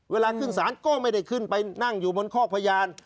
เวลาขึ้นศาลก็ไม่ได้ขึ้นไปนั่งอยู่บนคอกพยาน